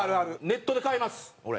ネットで買います俺。